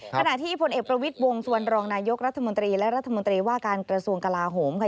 ขณะที่ผลเอกประวิทย์วงสุวรรณรองนายกรัฐมนตรีและรัฐมนตรีว่าการกระทรวงกลาโหมค่ะ